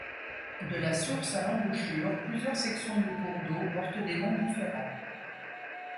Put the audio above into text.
De la source à l'embouchure, plusieurs sections du cours d'eau portent des noms différents.